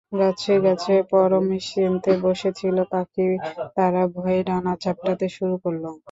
গাছে গাছে পরম নিশ্চিন্তে বসেছিল পাখি, তারা ভয়ে ডানা ঝাপটাতে শুরু করল।